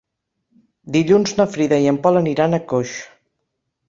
Dilluns na Frida i en Pol aniran a Coix.